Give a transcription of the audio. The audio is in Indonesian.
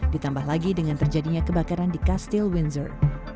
ditambah lagi dengan terjadinya kebakaran di kastil windsor